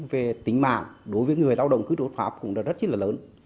về tính mạng đối với người lao động cư trụ quốc pháp cũng rất là lớn